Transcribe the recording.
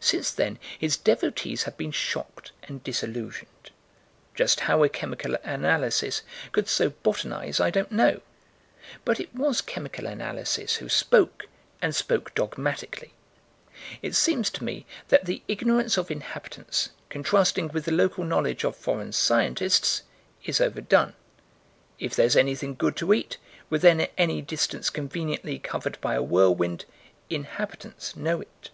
Since then his devotees have been shocked and disillusioned. Just how a chemical analysis could so botanize, I don't know but it was Chemical Analysis who spoke, and spoke dogmatically. It seems to me that the ignorance of inhabitants, contrasting with the local knowledge of foreign scientists, is overdone: if there's anything good to eat, within any distance conveniently covered by a whirlwind inhabitants know it.